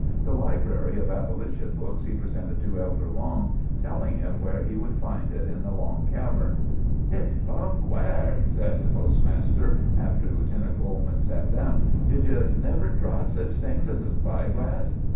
The library of abolition books he presented to Elder Long, telling him where he would find it in the long cavern. "Hit's plumb quare," said the postmaster, after Lieutenant Coleman sat down. "Did you 'ns ever drop sech a thing as a spy glass?"